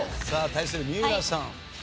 さあ対する三浦さん。